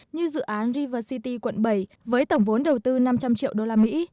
như dự án river city quận bảy với tổng vốn đầu tư năm trăm linh triệu đô la mỹ